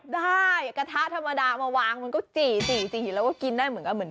ได้กระทะธรรมดามาวางมันก็จี่แล้วก็กินได้เหมือนกัน